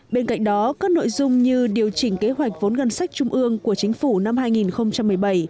bên cạnh đó các nội dung như điều chỉnh kế hoạch vốn ngân sách trung ương của chính phủ năm hai nghìn một mươi bảy